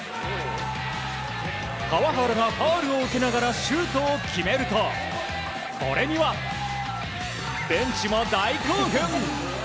川原がファウルを受けながらシュートを決めるとこれにはベンチも大興奮！